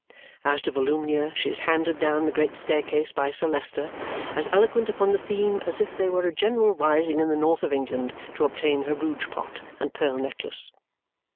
As to Volumnia, she is handed down the great staircase by Sir Leicester, as eloquent upon the theme as if there were a general rising in the north of England to obtain her rouge pot and pearl necklace.